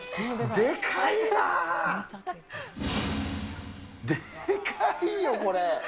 でかいよ、これ。